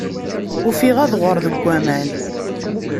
Ufiɣ adɣer deg waman.